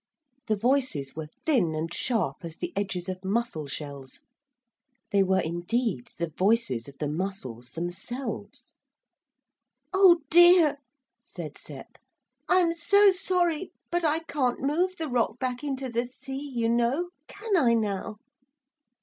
The voices were thin and sharp as the edges of mussel shells. They were indeed the voices of the mussels themselves. 'Oh dear,' said Sep, 'I'm so sorry, but I can't move the rock back into the sea, you know. Can I now?'